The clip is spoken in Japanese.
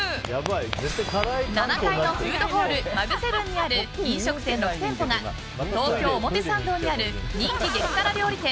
７階のフードホールＭＡＧ７にある飲食店６店舗が東京・表参道にある人気激辛料理店